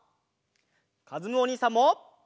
かずむおにいさんも！